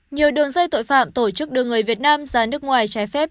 nhiều đường dây tội phạm tổ chức đưa người việt nam ra nước ngoài trái phép